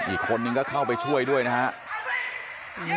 อีกคนนึงก็เข้าไปช่วยด้วยนะครับ